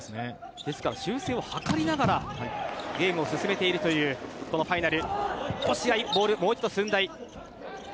ですから、修正を図りながらゲームを進めているというこのファイナル。